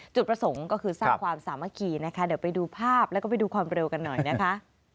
จุดประสงค์ก็คือสร้างความสามัคคีนะคะเดี๋ยวไปดูภาพแล้วก็ไปดูความเร็วกันหน่อยนะคะ